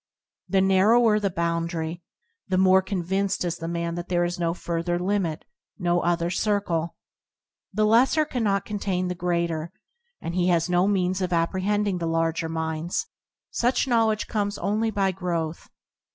The narrower the boundary, the more con vinced is the man that there is no further TBoDp ann Circumstance limit, no other circle. The lesser cannot con tain the greater, and he has no means of ap prehending the larger minds; such know ledge comes only by growth.